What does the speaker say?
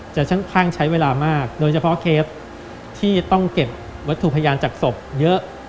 ค่อนข้างใช้เวลามากโดยเฉพาะเคสที่ต้องเก็บวัตถุพยานจากศพเยอะ